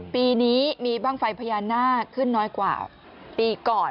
ปีนี้มีบ้างไฟพญานาคขึ้นน้อยกว่าปีก่อน